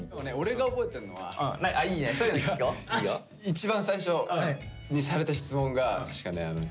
一番最初にされた質問が確かね